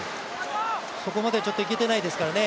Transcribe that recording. そこまで行けてないですからね。